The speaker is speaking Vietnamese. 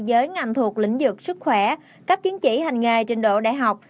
giới ngành thuộc lĩnh vực sức khỏe cấp chứng chỉ hành nghề trình độ đại học